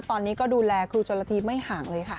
ตอนนี้ก็ดูแลครูชนละทีไม่ห่างเลยค่ะ